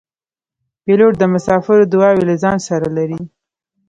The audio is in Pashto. پیلوټ د مسافرو دعاوې له ځان سره لري.